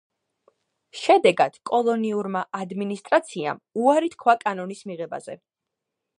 შედეგად კოლონიურმა ადმინისტრაციამ უარი თქვა კანონის მიღებაზე.